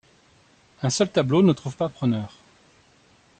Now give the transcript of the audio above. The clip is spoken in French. Un seul tableau ne trouve pas preneur.